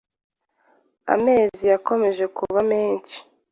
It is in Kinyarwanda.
Amezi yakomeje kuba menshi